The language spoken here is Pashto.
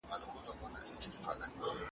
د محبت په نتيجه کي څه رامنځته کيږي؟